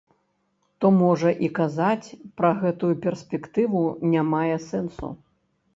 То можа і казаць пра гэтую перспектыву не мае сэнсу?